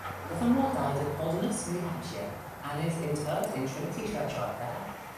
Livermore died in Holderness, New Hampshire and is interred in Trinity Churchyard there.